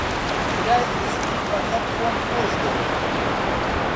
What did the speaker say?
برای حیزبیم بەقەد خۆم خۆش دەوێ